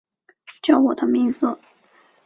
叫我的名字